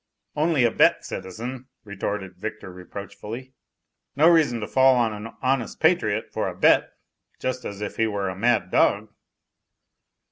"Only a bet, citizen," retorted Victor reproachfully. "No reason to fall on an honest patriot for a bet, just as if he were a mad dog."